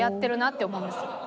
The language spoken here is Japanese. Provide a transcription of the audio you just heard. って思うんです。